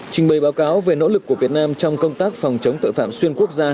trình bày báo cáo về nỗ lực của việt nam trong công tác phòng chống tội phạm xuyên quốc gia